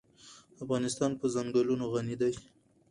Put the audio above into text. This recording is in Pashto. افغانستان په چنګلونه غني دی.